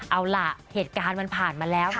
เอาล่ะเหตุการณ์มันผ่านมาแล้ว